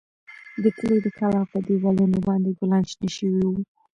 د کلي د کلا په دېوالونو باندې ګلان شنه شوي وو.